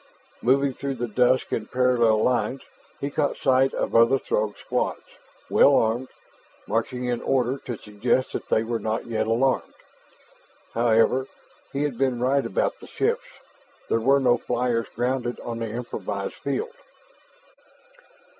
Moving through the dusk in parallel lines, he caught sight of other Throg squads, well armed, marching in order to suggest that they were not yet alarmed. However, he had been right about the ships there were no flyers grounded on the improvised field.